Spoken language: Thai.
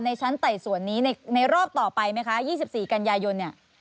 ชั้นไต่สวนนี้ในรอบต่อไปไหมคะ๒๔กันยายนเนี่ย